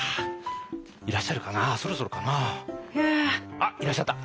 あっいらっしゃった！